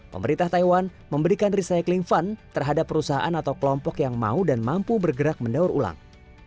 pemerintah taiwan memberikan recycling fund terhadap perusahaan atau kelompok yang mau dan mampu bergerak mendaur ulang